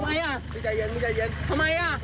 พี่ไปนั่งในรถก่อน